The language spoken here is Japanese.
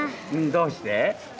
どうして？